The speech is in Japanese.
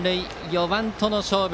４番との勝負。